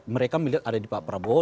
mereka melihat ada di pak prabowo